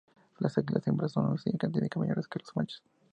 Las águilas hembras son significativamente mayores que los machos.